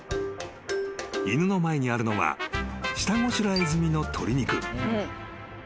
［犬の前にあるのは下ごしらえ済みの鶏肉］